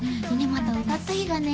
また歌った日がね